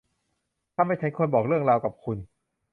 ทำไมฉันควรบอกเรื่องราวกับคุณ